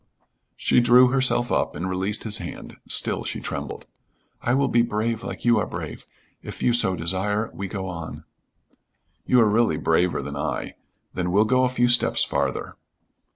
She drew herself up and released his hand; still she trembled. "I will be brave like you are brave. If you so desire, we go on." "You are really braver than I. Then we'll go a few steps farther."